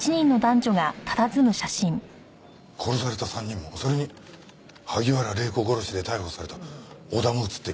殺された３人もそれに萩原礼子殺しで逮捕された小田も写っています。